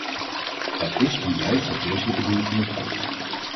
Dat is en blijft het wezenlijke doel van het pact.